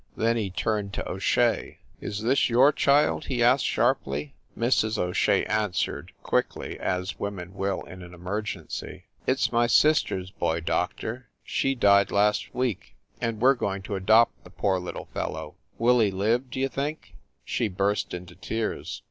Then he turned to O Shea. "Is this your child ?" he asked sharply. Mrs. O Shea answered, quickly, as women will in an emergency. "It s my sister s boy, Doctor. She died last week and we re going to adopt the poor little fellow. Will he live, d you think?" She burst into tears.